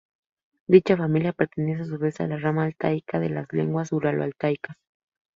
Dicha familia pertenece a su vez a la rama altaica de las lenguas uralo-altaicas.